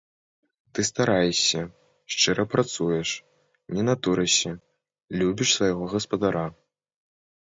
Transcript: Ты стараешся, шчыра працуеш, не натурышся, любіш свайго гаспадара.